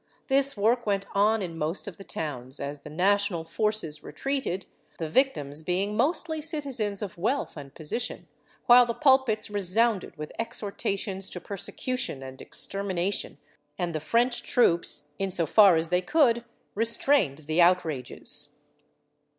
This work went on in most of the towns, as the national forces retreated, the victims being mostly citizens of wealth and position, while the pulpits resounded with exhortations to persecution and extermination and the French troops, in so far as they could, restrained the outrages.